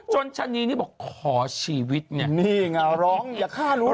ชะนีนี่บอกขอชีวิตเนี่ยนี่ไงร้องอย่าฆ่ารถ